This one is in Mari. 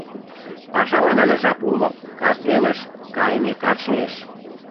Пашалан але жап уло: кас велыш кайымекат шуэш...